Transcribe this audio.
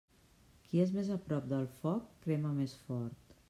Qui és més a prop del foc, crema més fort.